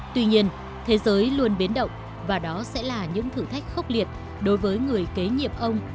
tuy nhiên thế giới luôn biến động và đó sẽ là những thử thách khốc liệt đối với người kế nhiệm ông